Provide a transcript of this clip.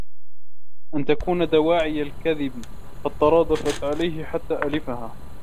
أَنْ تَكُونَ دَوَاعِي الْكَذِبِ قَدْ تَرَادَفَتْ عَلَيْهِ حَتَّى أَلِفَهَا